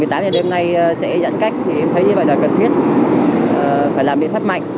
một mươi tám h đêm nay sẽ giãn cách em thấy bài giải cần thiết phải làm biện pháp mạnh